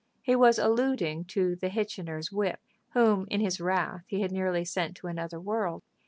He was alluding to the Hitchiner's whip, whom in his wrath he had nearly sent to another world.